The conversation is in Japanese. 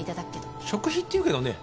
食費っていうけどね